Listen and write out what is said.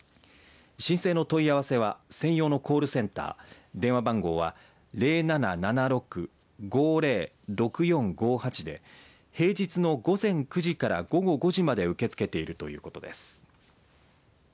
申請の問い合わせは専用のコールセンター電話番号は０７７６‐５０‐６４５８で平日の午前９時から午後５時まで受け付けているということです。